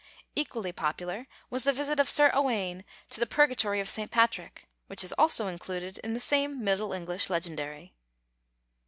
Equally popular was the visit of Sir Owayn to the Purgatory of St. Patrick, which is also included in the same Middle English Legendary.